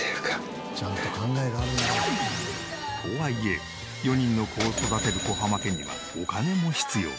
とはいえ４人の子を育てる小濱家にはお金も必要。